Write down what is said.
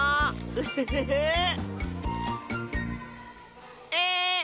ウッフフフー！え